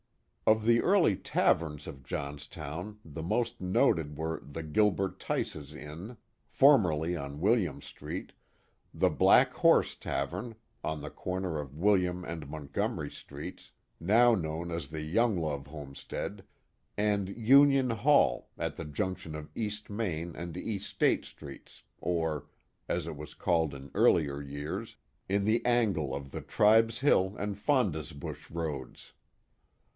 Of the early taverns of Johnstown the most noted were the Gilbert Tice's Inn, formerly on William Street, the Black Horse Tavern, on the corner of William and Montgoniery Streets, now known as the Younglove Homestead, and Union Hall, at the junction of East Main and East State Streets, or, as it was called in earlier years, in the angle of the Tribes Hill and Fondasbush roads.